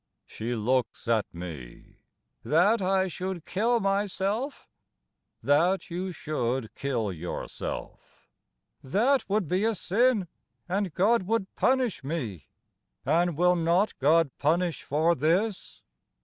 She looks at me. "That I should kill myself?"— "That you should kill yourself."—"That would be sin, And God would punish me!"—"And will not God Punish for this?"